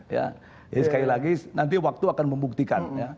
jadi sekali lagi nanti waktu akan membuktikan